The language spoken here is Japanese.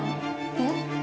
えっ？